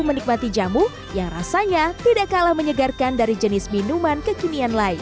menikmati jamu yang rasanya tidak kalah menyegarkan dari jenis minuman kekinian lain